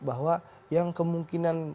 bahwa yang kemungkinan